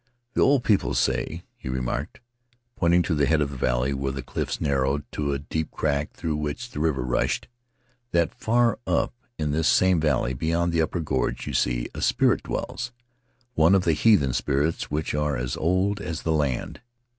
"The old people say," he remarked, pointing to the head of the valley, where the cliffs narrowed to a deep crack through which the river rushed, "that far up in this same valley, beyond the upper gorge you see, a spirit dwells, one of the heathen spirits which are as old as the land.